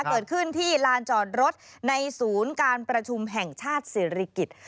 เกิดขึ้นที่ลานจอดรถในศูนย์การประชุมแห่งชาติศิริกิจ